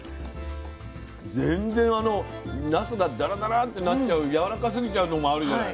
全然あのなすがダラダラってなっちゃうやわらかすぎちゃうのもあるじゃない。